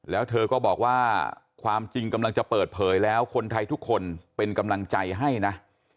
แล้วเธอก็บอกว่าความจริงกำลังจะเปิดเผยแล้วคนไทยทุกคนเป็นกำลังใจให้นะ